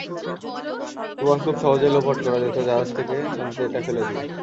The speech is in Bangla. প্রমাণ খুব সহজেই লোপাট করা যেত জাহাজ থেকে নদীতে এটা ফেলে দিয়ে।